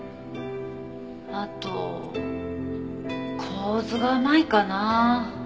あと構図が甘いかな。